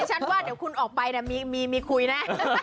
ฉันว่าเดี๋ยวคุณออกไปมีคุยนะ